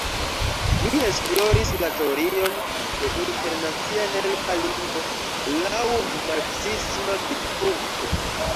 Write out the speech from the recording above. Li esploris la teorion de internacia helpa lingvo laŭ marksisma vidpunkto.